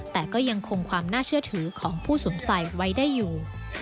แต่ก็ยังคงความน่าเชื่อถือของผู้สวมใส่ไว้ได้อยู่